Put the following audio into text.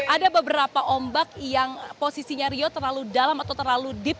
ada beberapa ombak yang posisinya rio terlalu dalam atau terlalu deep